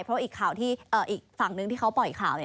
เพราะอีกฝั่งหนึ่งที่เขาปล่อยข่าว